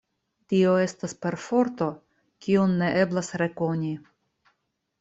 Tio estas perforto, kiun ne eblas rekoni.